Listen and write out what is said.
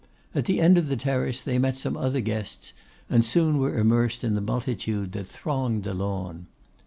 At the end of the terrace they met some other guests, and soon were immersed in the multitude that thronged the lawn.